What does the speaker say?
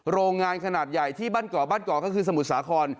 โรงงานขนาดใหญ่ที่บ้านเกาะบ้านเกาะก็คือสมุทรสาคร